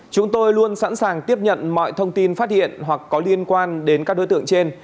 chúng tôi luôn sẵn sàng tiếp nhận mọi thông tin phát hiện hoặc có liên quan đến các đối tượng trên